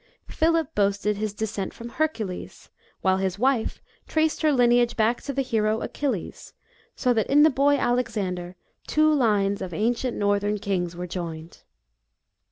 Philip boasted his descent from Hercules, while his wife traced her lineage back to the hero Achilles, so that in the boy Alexander two lines of ancient northern kings were joined.